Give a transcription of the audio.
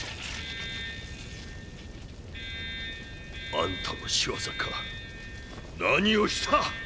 あんたのしわざか何をした！？